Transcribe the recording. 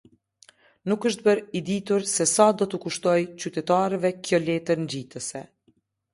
Nuk është bërë e ditur sesa do t'u kushtojë qytetarëve kjo letër ngjitëse.